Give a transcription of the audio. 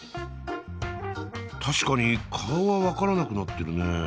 確かに顔は分からなくなってるね。